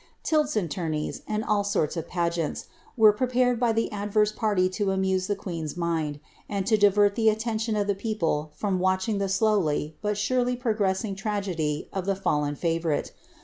Til« ami tourneys, and all sorts of pageants, were prepared by the advert pailr to amuse the queen'^s mind, and lo divert the attention of the people from watching the slowly but surely progressing tragedy of the fallen favourite.